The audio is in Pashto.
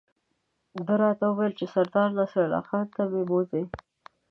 ده راته وویل چې سردار نصرالله خان ته به مې بوزي.